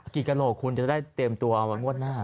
กิจกระโหลของคุณจะได้เตรียมตัวเอามาวดหน้า